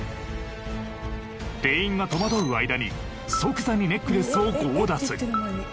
店員が戸惑う間に即座にネックレスを強奪。